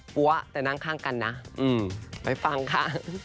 แต่นั่งข้างกันนะไปฟังค่ะ